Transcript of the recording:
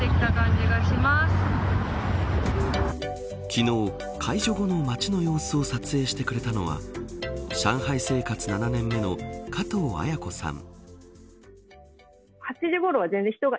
昨日、解除後の街の様子を撮影してくれたのは上海生活７年目の加藤彩子さん。